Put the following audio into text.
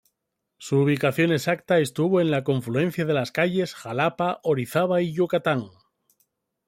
Su ubicación exacta estuvo en la confluencia de las calles Jalapa, Orizaba y Yucatán.